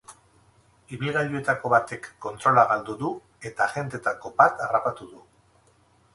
Ibilgailuetako batek kontrola galdu du eta agenteetako bat harrapatu du.